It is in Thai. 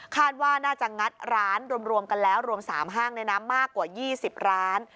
ว่าน่าจะงัดร้านรวมกันแล้วรวม๓ห้างในน้ำมากกว่า๒๐ร้าน